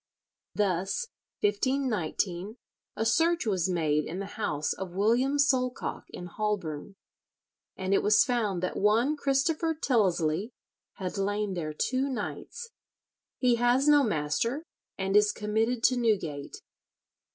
Thus, 1519, a search was made in the house of William Solcocke in Holborne, and it was found that one Christopher Tyllesley had lain there two nights. "He has no master, and is committed to Newgate."